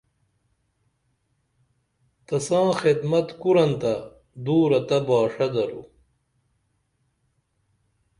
تساں خدمت کُرن تہ دُورہ تہ باݜہ درو